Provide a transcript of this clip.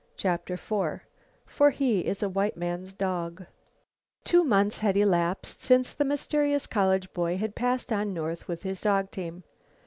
CHAPTER IV FOR HE IS A WHITE MAN'S DOG Two months had elapsed since the mysterious college boy had passed on north with his dog team.